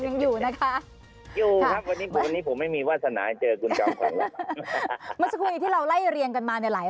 ยังอยู่นะคะผมแม่งไม่มีวาสนาคุณที่เราได้เรียนกันมาหลาย